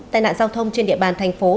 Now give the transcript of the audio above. tai nạn giao thông trên địa bàn thành phố